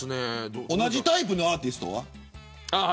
同じタイプのアーティストは。